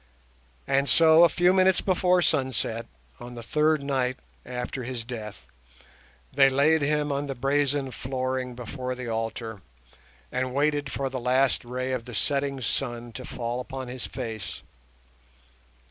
And so, a few minutes before sunset, on the third night after his death, they laid him on the brazen flooring before the altar, and waited for the last ray of the setting sun to fall upon his face.